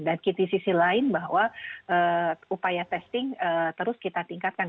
dan di sisi lain bahwa upaya testing terus kita tingkatkan